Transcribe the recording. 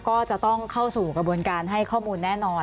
ก็จะต้องเข้าสู่กระบวนการให้ข้อมูลแน่นอน